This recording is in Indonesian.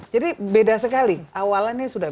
jadi beda sekali awalnya ini sudah